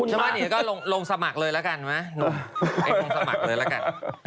ชาวบ้านเนี่ยก็ลงสมัครเลยแล้วกันนะลงสมัครเลยแล้วกัน